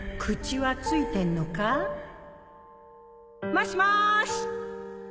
もしもし？